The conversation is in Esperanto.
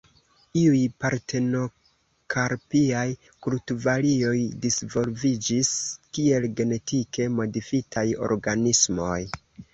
Iuj partenokarpiaj kulturvarioj disvolviĝis kiel genetike modifitaj organismoj.